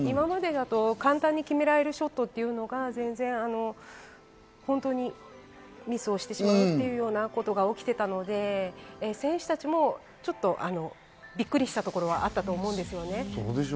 今までだと簡単に決められるショットが全然ミスをしてしまうというようなことが起きていたので、選手たちもびっくりしたところはあったと思います。